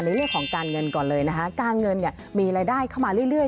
เรื่องของการเงินก่อนเลยนะคะการเงินเนี่ยมีรายได้เข้ามาเรื่อย